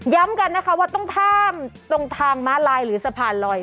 กันนะคะว่าต้องข้ามตรงทางม้าลายหรือสะพานลอย